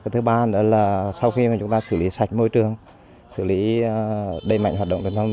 thứ ba nữa là sau khi chúng ta xử lý sạch môi trường xử lý đẩy mạnh hoạt động truyền thông